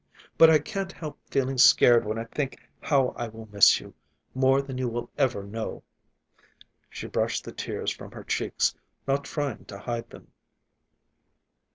But I can't help feeling scared when I think how I will miss you—more than you will ever know." She brushed the tears from her cheeks, not trying to hide them.